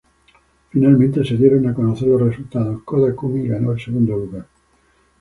Finalmente se dieron a conocer los resultados: Koda Kumi ganó el segundo lugar.